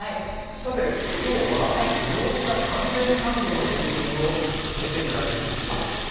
今日は自動車関連産業の取り組みを見せていただけるということですね。